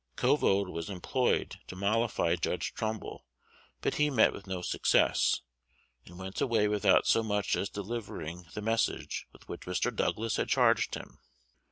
Covode was employed to mollify Judge Trumbull; but he met with no success, and went away without so much as delivering the message with which Mr. Douglas had charged him.